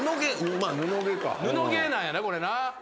布芸なんやなこれな。